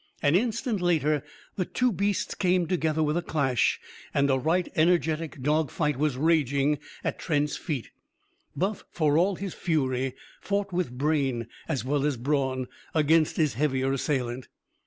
An instant later the two beasts came together with a clash; and a right energetic dog fight was raging at Trent's feet. Buff, for all his fury, fought with brain as well as brawn, against his heavier assailant.